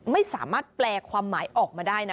ไม่สามารถแปลความหมายออกมาได้นะ